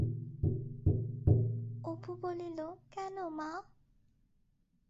অপু বলিল, কেন মা?